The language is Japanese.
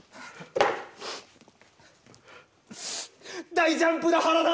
大ジャンプだ原田！